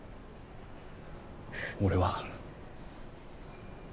俺は。